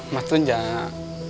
mas tuh gak